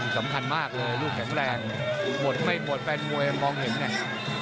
สำคัญมากเลยลูกแข็งแรงหมดไม่หมดแฟนมวยมองเห็นไง